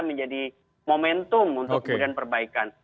menjadi momentum untuk kemudian perbaikan